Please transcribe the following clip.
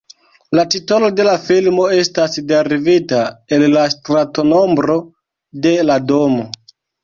La titolo de la filmo estas derivita el la stratonombro de la domo.